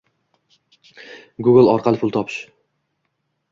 Google orqali pul topish